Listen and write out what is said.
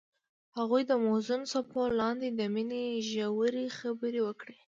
هغوی د موزون څپو لاندې د مینې ژورې خبرې وکړې.